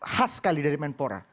khas sekali dari menpora